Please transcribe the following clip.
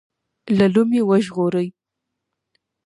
له لومې وژغوري.